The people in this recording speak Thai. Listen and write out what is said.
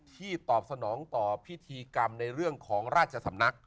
ตอบสนองต่อพิธีกรรมในเรื่องของราชสำนัก